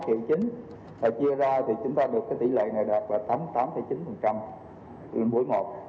triệu chín và chia ra thì chúng ta được cái tỷ lệ này đạt và tính tám chín phần trăm mỗi một